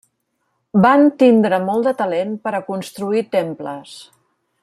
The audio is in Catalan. Van tindre molt de talent per a construir temples.